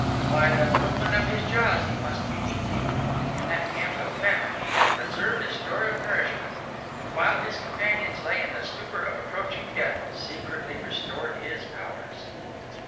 By the movement of his jaws he must be eating; in that camp of famine he had reserved a store of nourishment; and while his companions lay in the stupor of approaching death, secretly restored his powers.